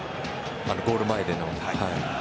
ゴール前での。